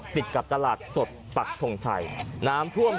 ติดกับตลาดสดปักทงชัยน้ำท่วม